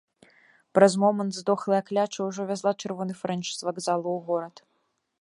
Праз момант здохлая кляча ўжо вязла чырвоны фрэнч з вакзалу ў горад.